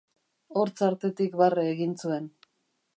Hortz artetik barre egin zuen.